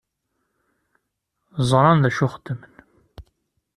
Ẓṛan dacu i xeddmen.